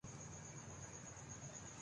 یہ تو جان جو کھوں کا کام ہے